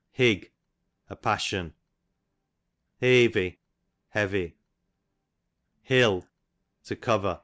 Hig, a passion. Heyvy, heavy. Hill, to cover.